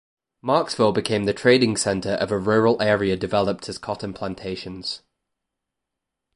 Marksville became the trading center of a rural area developed as cotton plantations.